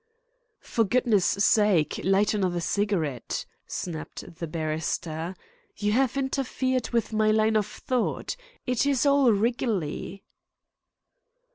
"For goodness' sake light another cigarette," snapped the barrister. "You have interfered with my line of thought. It is all wriggly."